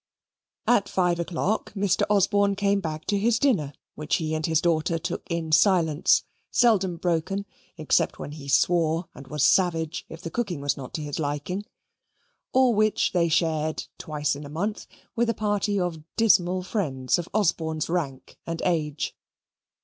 At five o'clock Mr. Osborne came back to his dinner, which he and his daughter took in silence (seldom broken, except when he swore and was savage, if the cooking was not to his liking), or which they shared twice in a month with a party of dismal friends of Osborne's rank and age.